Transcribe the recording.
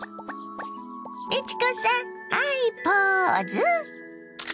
美智子さんハイポーズ！